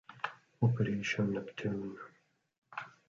Operation Neptune